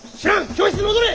教室に戻れ！